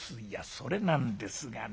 「それなんですがね